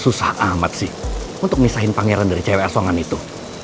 susah amat sih untuk misahin pangeran dari cewek asongan itu